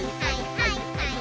はいはい！